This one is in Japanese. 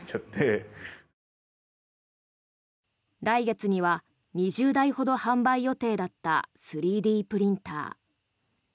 来月には２０台ほど販売予定だった３Ｄプリンター。